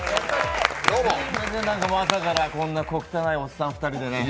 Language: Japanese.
朝からこんな小汚いおっさん２人でね。